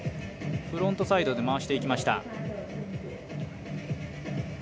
フロントサイドで回していきました。